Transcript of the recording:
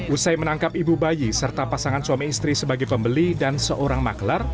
usai menangkap ibu bayi serta pasangan suami istri sebagai pembeli dan seorang maklar